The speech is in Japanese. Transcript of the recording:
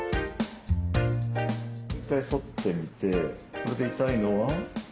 １回反ってみてこれで痛いのは？